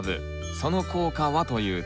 その効果はというと。